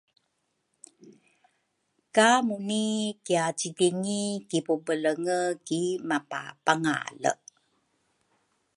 ka Muni kiacidingi ki pubelenge ki mapapangale.